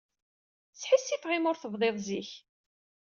Sḥissifeɣ imi ur tebdiḍ zik.